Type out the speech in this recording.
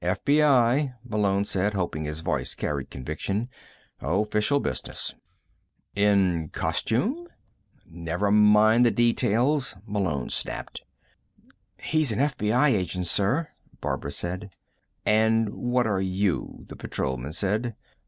"FBI," Malone said, hoping his voice carried conviction. "Official business." "In costume?" "Never mind about the details," Malone snapped. "He's an FBI agent, sir," Barbara said. "And what are you?" the Patrolman said.